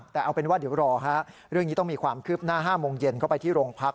แต่เอาเป็นว่าเดี๋ยวรอฮะเรื่องนี้ต้องมีความคืบหน้า๕โมงเย็นเข้าไปที่โรงพัก